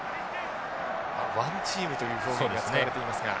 ワンチームという表現が使われていますが。